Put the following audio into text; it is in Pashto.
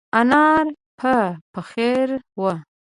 انار په پېخر وه.